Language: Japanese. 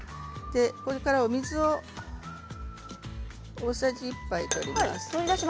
ここからお水を大さじ１杯、取ります。